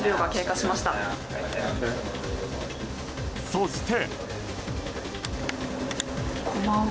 そして。